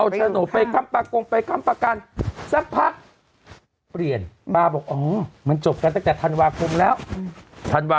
ธรรมคมเนี่ยมันจบแล้ว